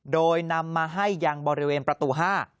โดยนำมาให้ยังบริเวณประตู๕